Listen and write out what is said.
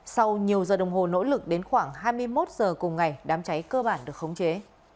sau nhiều giờ đồng hồ nỗ lực đến khoảng hai mươi một giờ cùng ngày đám cháy cơ bản được khống chế